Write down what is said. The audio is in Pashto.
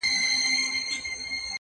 موږه كرلي دي اشنا دشاعر پښو ته زړونه!!